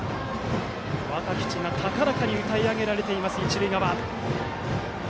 「若き血」が高らかに歌い上げられています、一塁側。